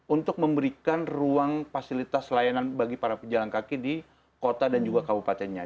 untuk memberikan ruang fasilitas layanan bagi para pejalan kaki di kota dan juga kabupatennya